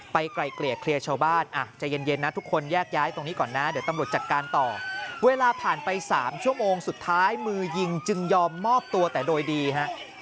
ไกลเกลี่ยเคลียร์ชาวบ้านใจเย็นนะทุกคนแยกย้ายตรงนี้ก่อนนะเดี๋ยวตำรวจจัดการต่อเวลาผ่านไป๓ชั่วโมงสุดท้ายมือยิงจึงยอมมอบตัวแต่โดยดีฮะ